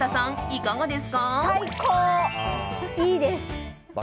いいです。